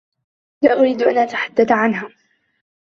لا أُريد أن أتحدث عنها.